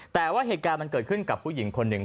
แต่ว่าเหตุการณ์มันเกิดขึ้นกับผู้หญิงคนหนึ่ง